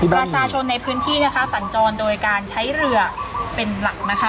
ประชาชนในพื้นที่นะคะสัญจรโดยการใช้เรือเป็นหลักนะคะ